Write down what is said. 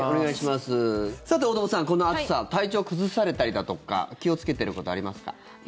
さて、大友さんこの暑さ体調崩されたりだとか気をつけていることありますか？